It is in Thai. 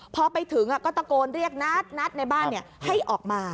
พอไปถึงก็ตะโกนเรียกนัดในบ้านให้ออกมา